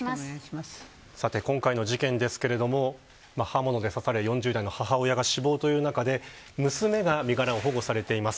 今回の事件ですけれども刃物で刺され４０代の母親が死亡という中で娘が身柄を保護されています。